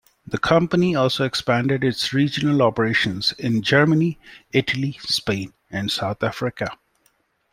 The company also expanded its regional operations in Germany, Italy, Spain and South Africa.